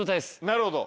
なるほど。